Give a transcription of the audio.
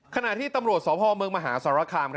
ขณะที่ตำรวจสพเมืองมหาสารคาม